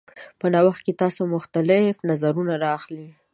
په نوښت کې تاسو مختلف نظرونه راخلئ.